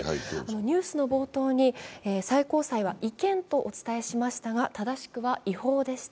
ニュースの冒頭に、最高裁は違憲とお伝えしましたが正しくは、違法でした。